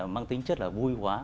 mang tính chất là vui quá